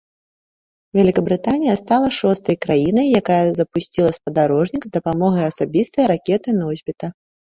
Вялікабрытанія стала шостай краінай, якая запусціла спадарожнік з дапамогай асабістай ракеты-носьбіта.